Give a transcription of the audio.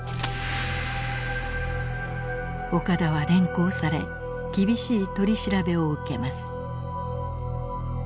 岡田は連行され厳しい取り調べを受けます。